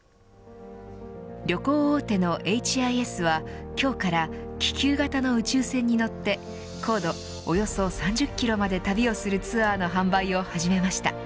旅行大手のエイチ・アイ・エスは今日から気球型の宇宙船に乗って高度およそ３０キロまで旅をするツアーの販売を始めました。